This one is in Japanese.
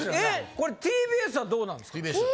えこれＴＢＳはどうなんですか？